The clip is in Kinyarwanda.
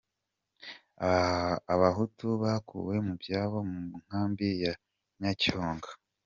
Abahutu bakuwe mu byabo mu nkambi ya Nyacyonga